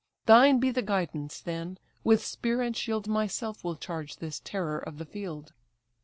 Thine be the guidance, then: with spear and shield Myself will charge this terror of the field."